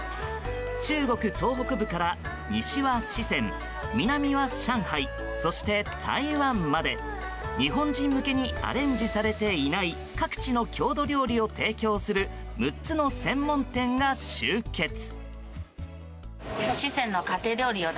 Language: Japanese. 中国東北部から西は四川南は上海、そして台湾まで日本人向けにアレンジされていない各地の郷土料理を提供する６つの専門店が集結。